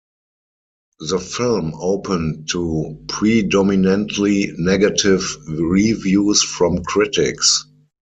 The film opened to predominantly negative reviews from critics.